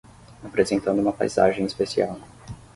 Apresentando uma paisagem especial